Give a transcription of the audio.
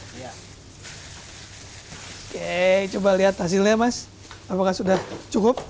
oke coba lihat hasilnya mas apakah sudah cukup